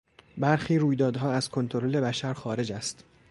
برخی رویدادها از کنترل بشر خارج است.